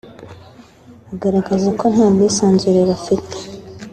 bagaragaza ko nta bwisanzure bafite